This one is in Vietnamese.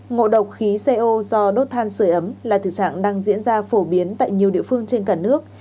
ngộ độc khí co do đốt than sửa ấm là thực trạng đang diễn ra phổ biến tại nhiều địa phương trên cả nước